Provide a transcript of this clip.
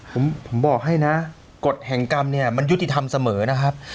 ผมบอกให้นะกฎแห่งกรรมเนี่ยมันยุติธรรมเสมอนะครับ